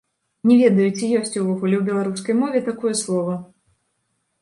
Не ведаю, ці ёсць увогуле ў беларускай мове такое слова.